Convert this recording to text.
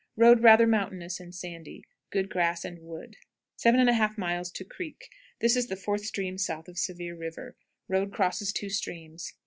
Road rather mountainous and sandy. Good grass and wood. 17 1/2. Creek. This is the fourth stream south of Sevier River. Road crosses two streams.